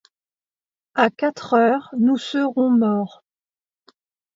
À quatre heures nous serons morts.